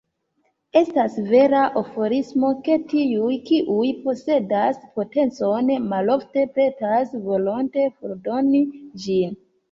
Estas vera aforismo, ke “tiuj, kiuj posedas potencon, malofte pretas volonte fordoni ĝin.